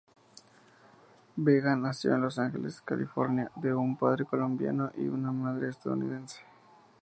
Vega nació en Los Ángeles, California de un padre colombiano y una madre estadounidense.